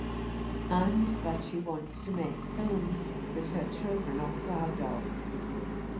And that she wants to make films that her children are proud of.